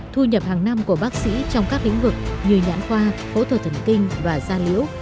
thu nhập hàng năm của bác sĩ trong các lĩnh vực như nhãn khoa phẫu thuật thần kinh và da liễu